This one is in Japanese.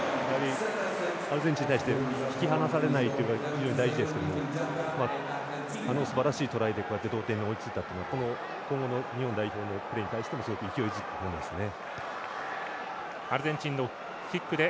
アルゼンチンに対して引き離されないというのは非常に大事ですけどあのすばらしいトライで同点に追いついたのは今後の日本代表のプレーも勢いづくと思いますね。